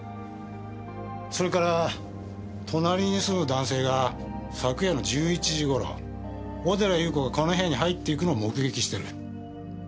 それから隣に住む男性が昨夜の１１時頃小寺裕子がこの部屋に入っていくのを目撃してる。